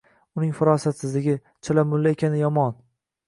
Uning farosatsizligi, chalamulla ekani yomon.